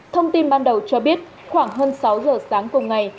thông tin ban đầu cho biết khoảng hơn sáu giờ sáng cùng ngày